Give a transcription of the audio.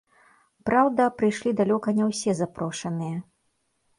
Праўда, прыйшлі далёка не ўсе запрошаныя.